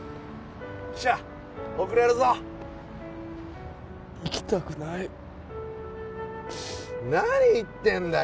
汽車遅れるぞ行きたくない何言ってんだい